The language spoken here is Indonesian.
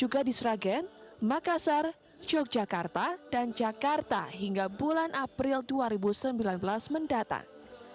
juga di sragen makassar yogyakarta dan jakarta hingga bulan april dua ribu sembilan belas mendatang